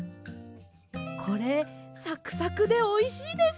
これサクサクでおいしいです。